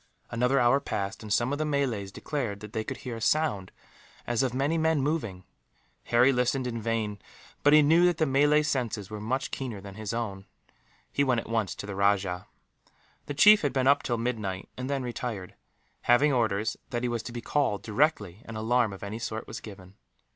Another hour passed, and some of the Malays declared that they could hear a sound as of many men moving. Harry listened in vain, but he knew that the Malays' senses were much keener than his own. He went at once to the rajah. The chief had been up till midnight, and then retired; leaving orders that he was to be called, directly an alarm of any sort was given.